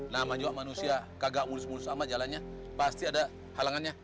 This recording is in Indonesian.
nama juga manusia kagak mulus mulus ama jalannya pasti ada halangannya